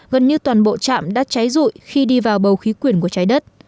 gần như toàn bộ trạm đã cháy rụi khi đi vào bầu khí quyển của trái đất